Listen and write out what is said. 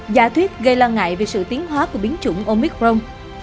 giả thuyết gây lo ngại về sự tiến hóa của biến chủng omicron